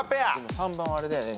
３番はあれだよね。